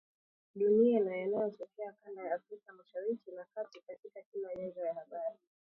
dunia na yanayotokea kanda ya Afrika Mashariki na Kati, katika kila nyanja ya habari